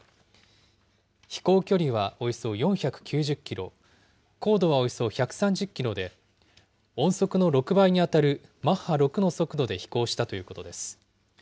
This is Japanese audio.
飛行距離はおよそ４９０キロ、高度はおよそ１３０キロで、音速の６倍に当たるマッハ６の速度で飛行したということです。